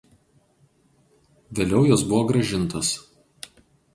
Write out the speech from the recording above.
Vėliau jos buvo grąžintos.